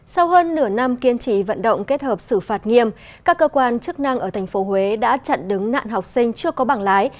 sau hơn nửa năm kiên trì vận động kết hợp xử phạt nghiêm các cơ quan chức năng ở thành phố huế đã chặn đứng nạn học sinh chưa có bảng lái